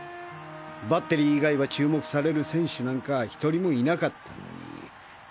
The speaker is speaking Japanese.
バッテリー以外は注目される選手なんか１人もいなかったのに。